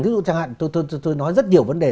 ví dụ chẳng hạn tôi nói rất nhiều vấn đề